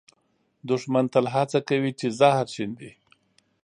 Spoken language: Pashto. دښمن تل هڅه کوي چې زهر شیندي